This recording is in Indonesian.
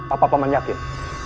apa pak man yakin